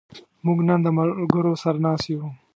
موږ نن د ملګرو سره ناست یو.